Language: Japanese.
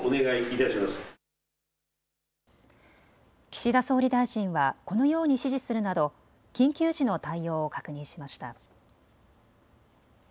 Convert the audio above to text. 岸田総理大臣はこのように指示するなど緊急時の対応を確認しました。